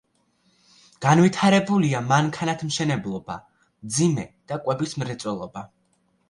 განვითარებულია მანქანათმშენებლობა, მძიმე და კვების მრეწველობა.